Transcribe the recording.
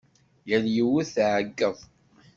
Yal yiwet tɛeggeḍ.